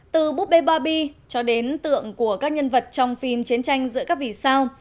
từ búp bê barbie cho đến tượng của các nhân vật trong phim chiến tranh giữa các vị sao